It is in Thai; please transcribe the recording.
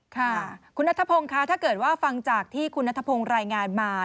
ค่ะคุณนัทพงศ์ค่ะถ้าเกิดว่าฟังจากที่คุณนัทพงศ์รายงานมา